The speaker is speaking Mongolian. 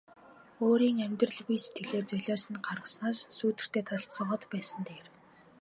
Өөрийн амьдрал бие сэтгэлээ золиосонд гаргаснаас сүүдэртэй талд суугаад байсан нь дээр.